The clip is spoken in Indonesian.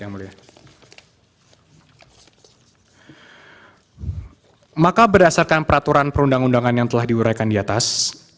maka berdasarkan peraturan perundang undangan yang telah diuraikan di atas